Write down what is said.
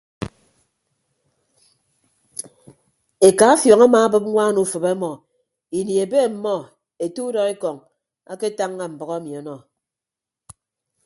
Eka afiọñ amaabịp ñwaan ufịp ọmọ ini ebe ọmmọ ete udọekọñ aketañña mbʌk emi ọnọ.